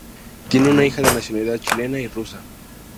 Tiene una hija de nacionalidad chilena y rusa.